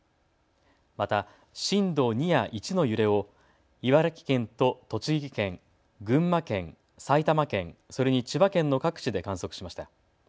また震度２や１の揺れを茨城県と栃木県、群馬県、埼玉県、それに千葉県の各地で観測しました。